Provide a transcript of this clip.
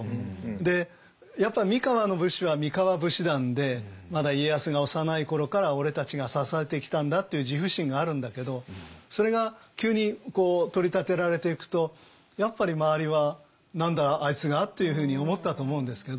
でやっぱり三河の武士は三河武士団でまだ家康が幼い頃から俺たちが支えてきたんだっていう自負心があるんだけどそれが急に取り立てられていくとやっぱり周りは「何だあいつが」というふうに思ったと思うんですけど。